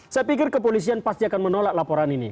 saya pikir kepolisian pasti akan menolak laporan ini